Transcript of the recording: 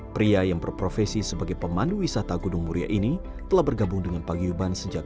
pria yang berprofesi sebagai pemandu wisata gunung muria ini telah bergabung dengan paguyuban sejak dua ribu